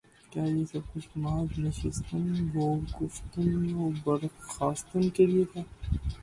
کیا یہ سب کچھ محض نشستن و گفتن و برخاستن کے لیے تھا؟